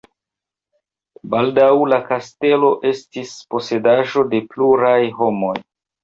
Baldaŭ la kastelo estis posedaĵo de pluraj homoj.